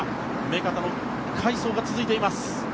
目片の快走が続いています。